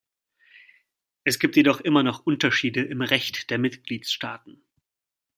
Es gibt jedoch immer noch Unterschiede im Recht der Mitgliedstaaten.